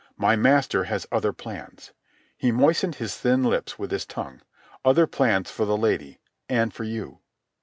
My master has other plans. .." He moistened his thin lips with his tongue. "Other plans for the lady ... and for you."